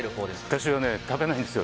私は食べないんですよ。